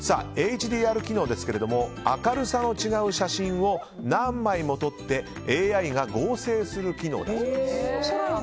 ＨＤＲ機能ですが明るさの違う写真を何枚も撮ってＡＩが合成する機能だそうです。